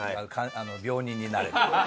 病人になれと。